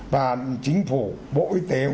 và chính phủ bộ y tế